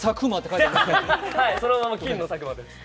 そのまま金の佐久間です。